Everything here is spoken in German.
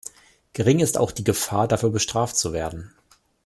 Gering ist auch die Gefahr, dafür bestraft zu werden.